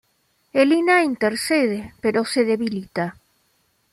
Elina intercede pero se debilita.